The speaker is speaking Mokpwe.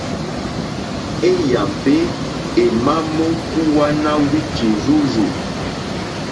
E nyàmbe è ma mò kuwana wiki rzurzù.